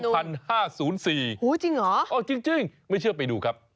โอ้โหจริงเหรอจริงไม่เชื่อไปดูครับ